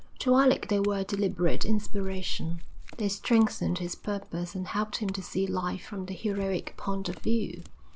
To Alec they were a deliberate inspiration. They strengthened his purpose and helped him to see life from the heroic point of view.